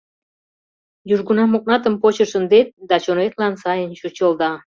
Южгунам окнатым почын шындет, да чонетлан сайын чучылда…